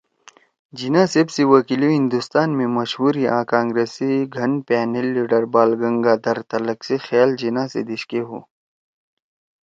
جناح صیب سی وکیلی ہندوستان می مشہور ہی آں کانگرس سی گھن پأنیل لیڈر بال گنگا دھرتلک سی خیال جناح سی دیِشکے ہُو